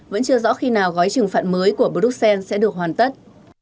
vẫn chưa rõ khi nào gói trừng phạt mới của bruxelles sẽ được hoàn tất